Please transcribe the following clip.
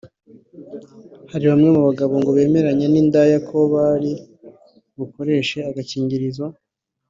Hari Bamwe mu bagabo ngo bemeranya n’indaya ko bari bukoresha agakingirizo